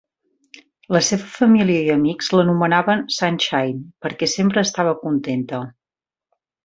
La seva família i amics l'anomenaven "Sunshine" perquè sempre estava contenta.